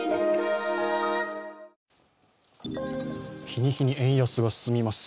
日に日に円安が進みます。